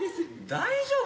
大丈夫？